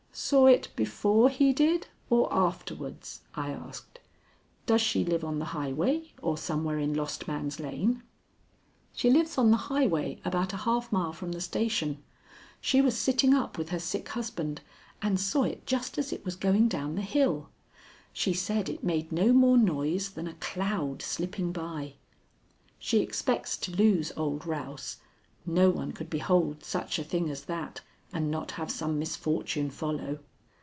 "Saw it before he did or afterwards?" I asked. "Does she live on the highway or somewhere in Lost Man's Lane?" "She lives on the highway about a half mile from the station. She was sitting up with her sick husband and saw it just as it was going down the hill. She said it made no more noise than a cloud slipping by. She expects to lose old Rause. No one could behold such a thing as that and not have some misfortune follow."